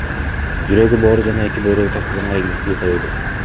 Жүрөгү, боору жана эки бөйрөгү төрт адамга ийгиликтүү коюлду.